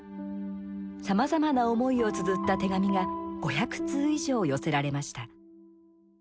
さまざまな思いをつづった手紙が５００通以上寄せられました。